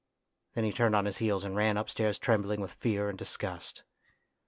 Then he turned on his heels and ran upstairs trembling with fear and disgust.